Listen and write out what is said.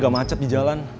gak macet di jalan